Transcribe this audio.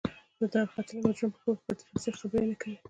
د دارختلي مجرم په کور کې به د رسۍ خبرې نه کوئ.